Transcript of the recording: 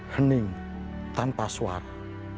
hening tanpa suara